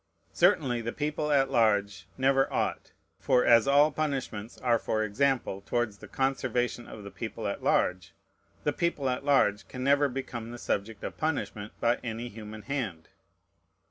Certainly the people at large never ought: for, as all punishments are for example towards the conservation of the people at large, the people at large can never become the subject of punishment by any human hand.